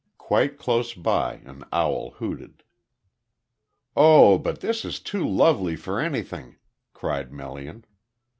Quite close by an owl hooted. "Oh, but this is too lovely for anything," cried Melian.